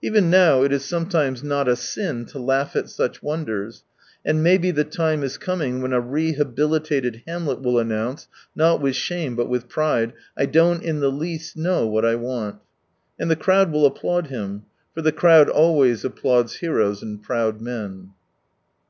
Even now it is sometimes not a sin to laugh at such wonders, and may be the time is coming when a rehabilitated Hamlet will announce, not with shame but with pride :" I don't in the least know what I want." And the crowd will applaud him, for the crowd always applauds heroes and proud men.